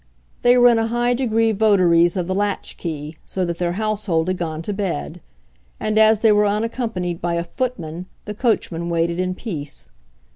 They were in a high degree votaries of the latch key, so that their household had gone to bed; and as they were unaccompanied by a footman the coachman waited in peace.